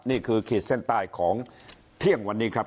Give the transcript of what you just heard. นี่คือเขตเส้นใต้ของเที่ยงวันนี้ครับ